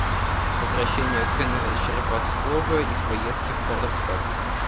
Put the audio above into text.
Возвращение кн. Щербацкого из поездки в Карлсбад.